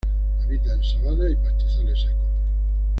Habita en sabanas y pastizales secos.